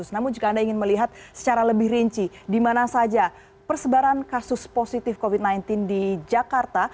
namun jika anda ingin melihat secara lebih rinci di mana saja persebaran kasus positif covid sembilan belas di jakarta